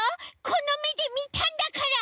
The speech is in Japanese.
このめでみたんだから！